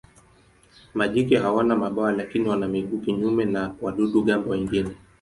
Majike hawana mabawa lakini wana miguu kinyume na wadudu-gamba wengine.